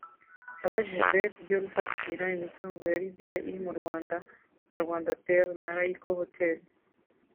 Abajijwe kubyo gufatira imitungo ya Libya iri mu Rwanda nka Rwandatel na Laico Hotel